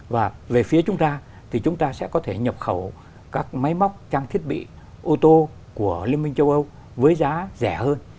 và về phía chúng ta thì chúng ta sẽ có thể nhập khẩu các máy móc trang thiết bị ô tô của liên minh châu âu với giá rẻ hơn